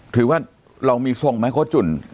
ถือว่าเรามีทรงไหมโค้ดจุ่น